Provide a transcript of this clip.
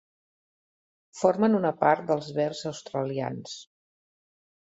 Formen una part dels Verds Australians.